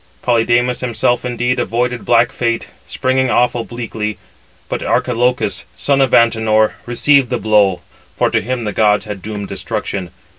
Polydamas himself indeed avoided black fate, springing off obliquely; but Archilochus, son of Antenor, received [the blow], for to him the gods had doomed destruction.